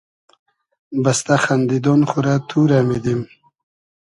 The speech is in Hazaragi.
بئستۂ خئندیدۉن خو رۂ تو رۂ میدیم